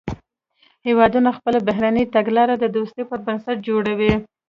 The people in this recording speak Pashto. هیوادونه خپله بهرنۍ تګلاره د دوستۍ پر بنسټ جوړوي